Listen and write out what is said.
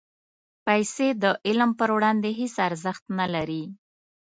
پېسې د علم پر وړاندې هېڅ ارزښت نه لري.